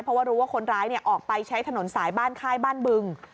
เพราะว่ารู้ว่าคนร้ายออกไปใช้ถนนสายบ้านค่ายบ้านบึง